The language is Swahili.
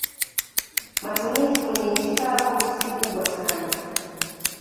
Matumizi kwenye nchi kavu si kubwa sana.